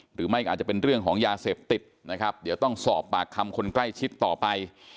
หรือไม่ก็อาจจะเป็นเรื่องของยาเสพติดนะครับเดี๋ยวต้องสอบปากคำคนใกล้ชิดต่อไป